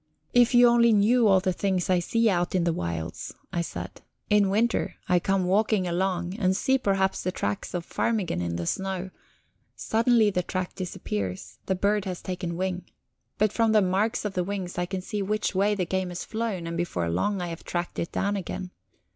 "If you only knew all that I see out in the wilds!" I said. "In winter, I come walking along, and see, perhaps, the tracks of ptarmigan in the snow. Suddenly the track disappears; the bird has taken wing. But from the marks of the wings I can see which way the game has flown, and before long I have tracked it down again.